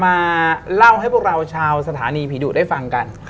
มาเล่าให้พวกเราชาวสถานีผีดุได้ฟังกัน